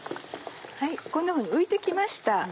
こんなふうに浮いて来ました。